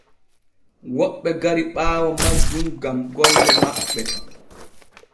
Woɓɓe gari ɓaawo majjum gam golle maɓɓe.